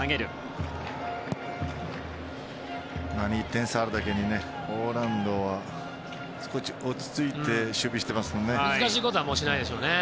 ２点差あるだけにポーランドは少し落ち着いて守備していますね。